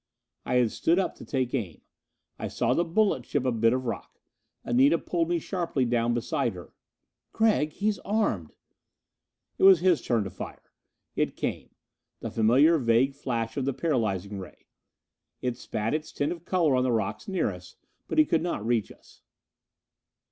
I had stood up to take aim. I saw the bullet chip a bit of rock. Anita pulled me sharply down beside her. "Gregg, he's armed!" It was his turn to fire. It came the familiar vague flash of the paralyzing ray. It spat its tint of color on the rocks near us, but could not reach us.